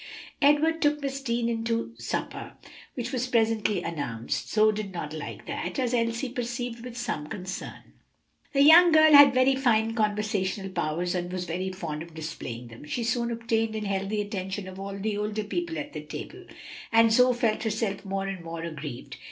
Edward took Miss Deane in to supper, which was presently announced. Zoe did not like that, as Elsie perceived with some concern. The young lady had very fine conversational powers and was very fond of displaying them; she soon obtained and held the attention of all the older people at the table, and Zoe felt herself more and more aggrieved.